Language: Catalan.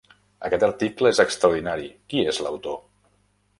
Aquest article és extraordinari, qui és l'autor?